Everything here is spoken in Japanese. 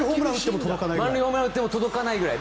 満塁ホームランを打っても届かないくらい。